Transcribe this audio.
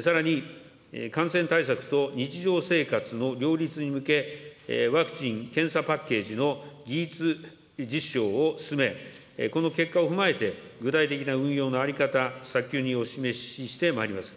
さらに、感染対策と日常生活の両立に向け、ワクチン・検査パッケージの技術実証を進め、この結果を踏まえて、具体的な運用の在り方、早急にお示ししてまいります。